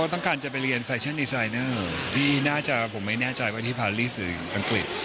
ต้องการจะไปเรียนแฟชั่นดีไซเนอร์ที่น่าจะผมไม่แน่ใจว่าที่พารีสื่ออังกฤษ